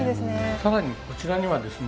さらにこちらにはですね